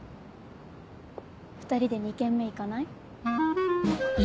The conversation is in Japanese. ２人で２軒目行かない？